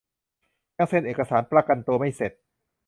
ยังเซ็นเอกสารประกันตัวไม่เสร็จ